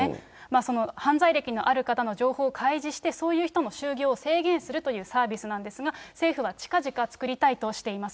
その犯罪歴のある方の情報を開示して、そういう人の就業を制限するというサービスなんですが、政府はちかぢか作りたいとしています。